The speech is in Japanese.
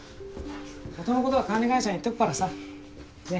音のことは管理会社に言っとくからさね。